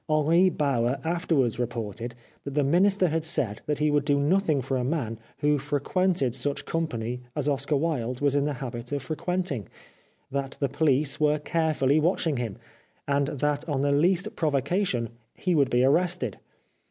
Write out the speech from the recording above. Henri Bauer after wards reported that the Minister had said that he would do nothing for a man who frequented such company as Oscar Wilde was in the habit of frequenting, that the police were carefully watching him, and that on the least provocation he would be arrested.